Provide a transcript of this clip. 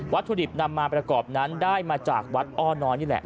ถุดิบนำมาประกอบนั้นได้มาจากวัดอ้อน้อยนี่แหละ